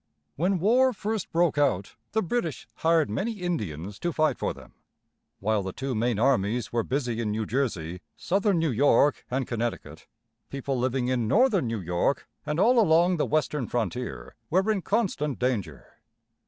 When war first broke out the British hired many Indians to fight for them. While the two main armies were busy in New Jersey, southern New York, and Connecticut, people living in northern New York, and all along the western frontier, were in constant danger.